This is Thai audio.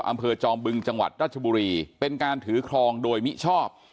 จอมบึงจังหวัดราชบุรีเป็นการถือครองโดยมิชอบ